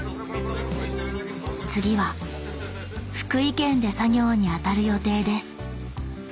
次は福井県で作業に当たる予定です。